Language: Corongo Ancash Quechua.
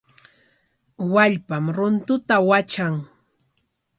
Wallpam runtuta watran.